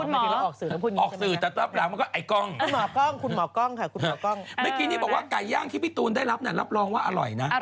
เมื่อกี้ที่บอกว่าไก่ย่างที่พี่ตูนได้รับน่ะรับรองว่าอร่อยนะ